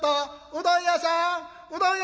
うどん屋さん！」。